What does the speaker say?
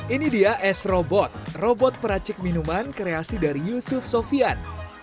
ini dia s robot robot peracik minuman kreasi dari yusuf sofian